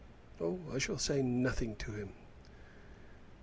"Oh, I shall say nothing to him."